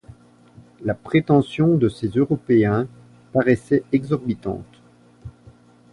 La prétention de ces Européens paraissait exorbitante.